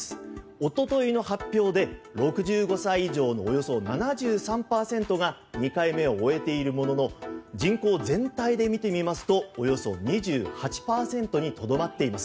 おとといの発表で６５歳以上のおよそ７３％が２回目を終えているものの人口全体で見ますとおよそ２８％にとどまっています。